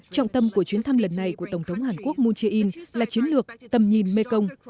trọng tâm của chuyến thăm lần này của tổng thống hàn quốc moon jae in là chiến lược tầm nhìn mekong